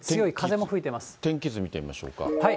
天気図見てみましょうか。